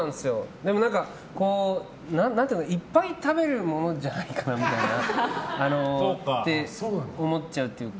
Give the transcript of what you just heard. でも、いっぱい食べるものじゃないかなみたいなって思っちゃうというか。